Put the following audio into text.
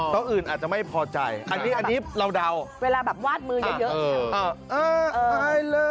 อื่นอาจจะไม่พอใจอันนี้เราเดาเวลาแบบวาดมือเยอะเนี่ย